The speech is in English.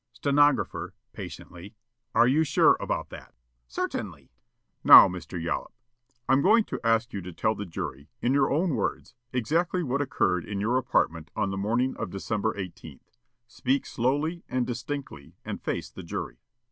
Stenographer, patiently: "'You are sure about that?'" Yollop: "Certainly." The State: "Now, Mr. Yollop, I'm going to ask you to tell the jury, in your own words, exactly what occurred in your apartment on the morning of December 18th. Speak slowly and distinctly, and face the jury."